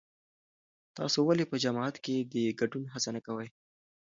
تاسو ولې په جماعت کې د ګډون هڅه نه کوئ؟